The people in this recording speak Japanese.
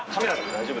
大丈夫？